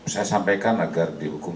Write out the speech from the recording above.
saya sampaikan agar dihukum